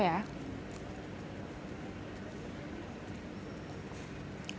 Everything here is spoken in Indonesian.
rasanya juga enak